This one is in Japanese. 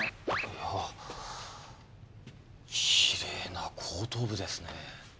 はぁきれいな後頭部ですね。